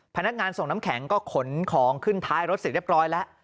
พนักงานส่งน้ำแข็งก็ขนของขึ้นท้ายรถเสร็จเรียบร้อยแล้ว